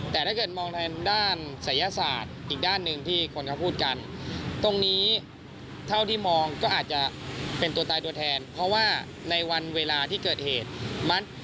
แต่ถ้าเกิดมองในด้านศัยยศาสตร์